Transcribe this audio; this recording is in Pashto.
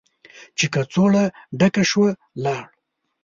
چې کڅوړه ډکه شوه، لاړ.